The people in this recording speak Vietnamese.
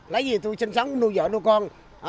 lấy gì tôi sinh sống nuôi vợ nuôi con